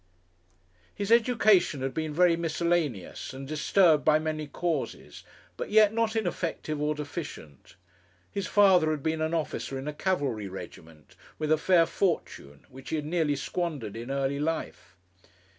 His education had been very miscellaneous, and disturbed by many causes, but yet not ineffective or deficient. His father had been an officer in a cavalry regiment, with a fair fortune, which he had nearly squandered in early life.